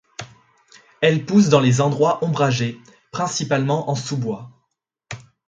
Elle pousse dans les endroits ombragés, principalement en sous-bois.